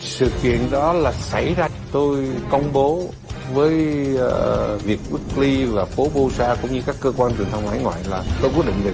sự kiện đó là xảy ra tôi công bố với việt quốc li và phố posa cũng như các cơ quan truyền thông hải ngoại là tôi quyết định về việt nam